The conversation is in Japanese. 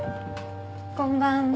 こんばんは。